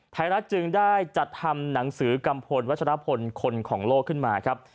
รัฐจึงได้จัดทำหนังสือกัมพลวัชรพลคนของโลกขึ้นมาครับ